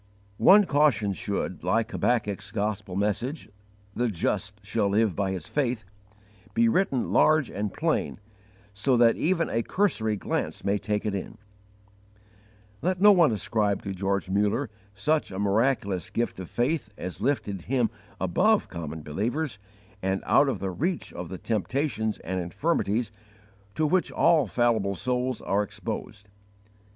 One caution should, like Habakkuk's gospel message "The just shall live by his faith" be written large and plain so that even a cursory glance may take it in. Let no one ascribe to George Muller such a miraculous gift of faith as lifted him above common believers and out of the reach of the temptations and infirmities to which all fallible souls are exposed.